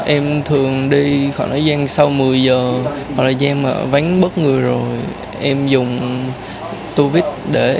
em thường đi khoảng thời gian sau một mươi giờ hoặc là thời gian vánh bớt người rồi em dùng tu viết để em đục vô cửa kính